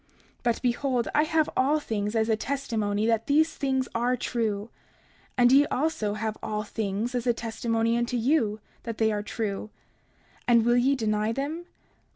30:41 But, behold, I have all things as a testimony that these things are true; and ye also have all things as a testimony unto you that they are true; and will ye deny them?